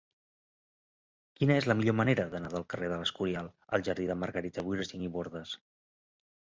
Quina és la millor manera d'anar del carrer de l'Escorial al jardí de Margarita Wirsing i Bordas?